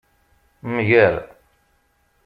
Mger.